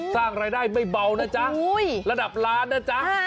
สร้างรายได้ไม่เบานะจ๊ะระดับล้านนะจ๊ะ